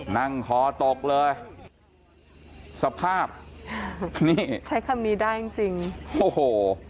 นั่งคอตกเลยสภาพนี่ใช้คำนี้ได้จริงจริงโอ้โห